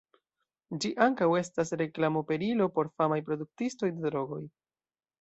Ĝi ankaŭ estas reklamoperilo por famaj produktistoj de drogoj.